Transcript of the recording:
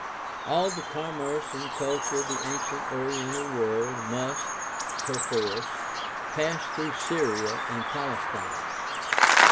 All the commerce and culture of the ancient oriental world must, perforce, pass through Syria and Palestine.